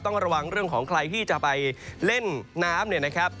ต้องระวังเรื่องของใครที่จะไปเล่นน้ำเนี่ยนะครับ